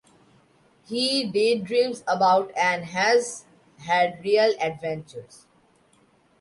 He daydreams about, and has had real, adventures.